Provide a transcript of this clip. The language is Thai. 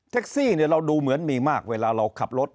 แท็กซี่เนี่ยเราดูเหมือนมีมากเวลาเราขับรถ